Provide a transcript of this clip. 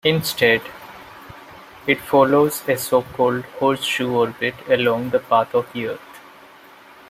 Instead, it follows a so-called horseshoe orbit along the path of the Earth.